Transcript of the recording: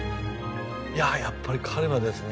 いやあやっぱり彼はですね